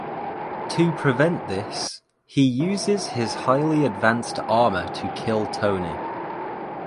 To prevent this, he uses his highly advanced armor to kill Tony.